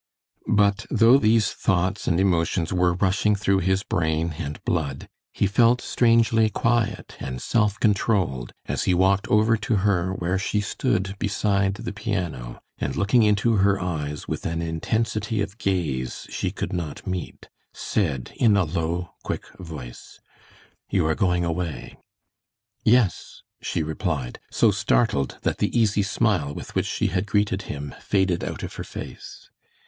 But though these thoughts and emotions were rushing through his brain and blood, he felt strangely quiet and self controlled as he walked over to her where she stood beside the piano, and looking into her eyes with an intensity of gaze she could not meet, said, in a low, quick voice: "You are going away?" "Yes," she replied, so startled that the easy smile with which she had greeted him faded out of her face.